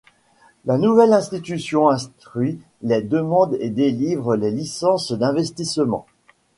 La nouvelle institution instruit les demandes et délivre les licences d’investissement.